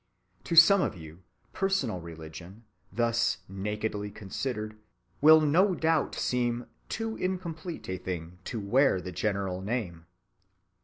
To some of you personal religion, thus nakedly considered, will no doubt seem too incomplete a thing to wear the general name.